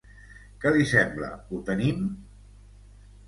Què li sembla, ho tenim?